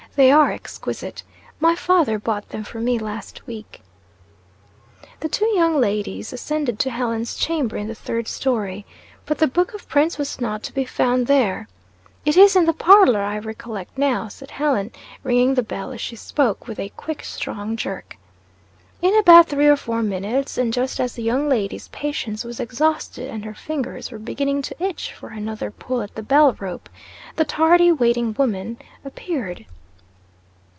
They are exquisite. My father bought them for me last week." The two young ladies ascended to Helen's chamber in the third story. But the book of prints was not to be found there. "It is in the parlor, I recollect now," said Helen, ringing the bell as she spoke, with a quick, strong jerk. In about three or four minutes, and just as the young lady's patience was exhausted and her fingers were beginning to itch for another pull at the bell rope, the tardy waiting women appeared.